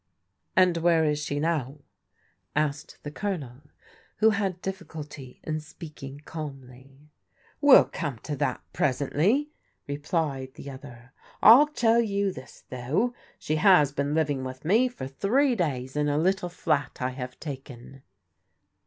"And where is she now ?" asked the Colonel, who had difficulty in speaking calmly. " We'll come to that presently," replied the other. " I'll tell you this, though ; she has been living with me for three days in a little flat I have taken."